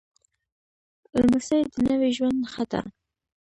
لمسی د نوي ژوند نښه ده.